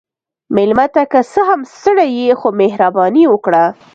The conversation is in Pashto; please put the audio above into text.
مېلمه ته که څه هم ستړی يې، خو مهرباني وکړه.